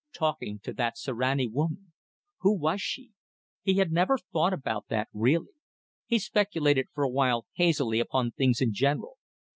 Talking to that Sirani woman! Who was she? He had never thought about that really. He speculated for a while hazily upon things in general.